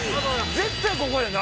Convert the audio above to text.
絶対ここやんな。